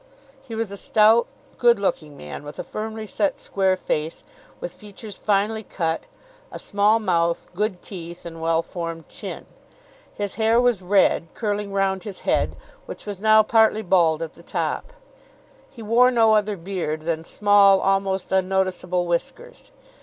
He was a stout, good looking man, with a firmly set square face, with features finely cut, a small mouth, good teeth, and well formed chin. His hair was red, curling round his head, which was now partly bald at the top. He wore no other beard than small, almost unnoticeable whiskers.